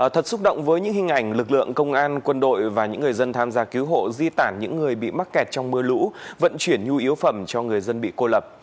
thật xúc động với những hình ảnh lực lượng công an quân đội và những người dân tham gia cứu hộ di tản những người bị mắc kẹt trong mưa lũ vận chuyển nhu yếu phẩm cho người dân bị cô lập